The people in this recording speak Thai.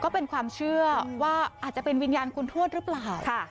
ก็เป็นความเชื่อว่าอาจจะเป็นวิญญาณคุณทวดหรือเปล่า